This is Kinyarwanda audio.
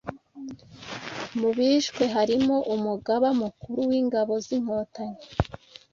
Mu bishwe harimo Umugaba Mukuru w’Ingabo z’Inkotanyi,